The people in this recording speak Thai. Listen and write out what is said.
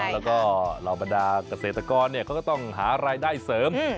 แล้วก็เหล่าบรรดาเกษตรกรเขาก็ต้องหารายได้เสริม